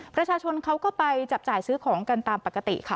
ประชาชนเขาก็ไปจับจ่ายซื้อของกันตามปกติค่ะ